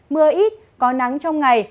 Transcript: mưa ít có nắng trong ngày